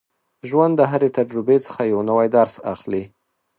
ژوند د هرې تجربې څخه یو نوی درس اخلي.